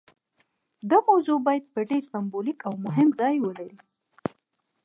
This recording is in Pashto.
دا موضوع باید ډیر سمبولیک او مهم ځای ولري.